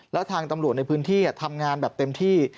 แล้วทางตำรวจในพื้นที่ทำงานแบบเต็มที่